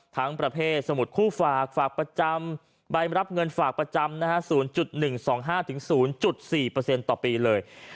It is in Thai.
ทั้งประเภทสมุดคู่ฝากฝากประจำใบรับเงินฝากประจำนะฮะ๐๑๒๕๐๔ต่อปีเลย